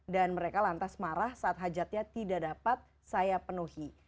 dan mereka lantas marah saat hajatnya tidak dapat saya penuhi